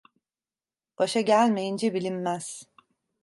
Başa gelmeyince bilinmez.